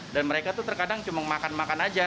dan mereka itu terkadang cuma makan makan aja